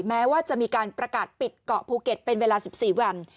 แม้ว่าจะมีการประกาศปิดเกาะภูเก็ตเป็นเวลา๑๔วัน